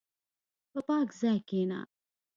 په پاک ځای کښېنه.